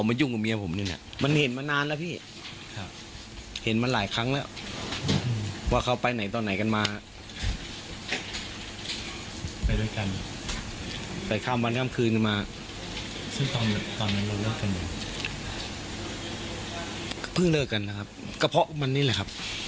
เพิ่งเลิกกันนะครับกระเพาะมันนี่แหละครับ